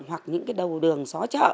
hoặc những đầu đường xóa chợ